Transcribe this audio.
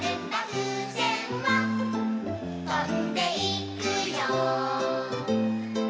「ふうせんはとんでいくよ」